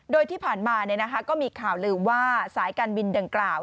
โดยที่ผ่านมาก็มีข่าวลืมว่าสายการบินดังกล่าว